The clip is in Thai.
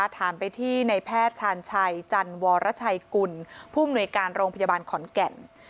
ถามไปที่ในแพทย์ชาญชัยจันวรชัยกุลผู้มนุยการโรงพยาบาลขอนแก่น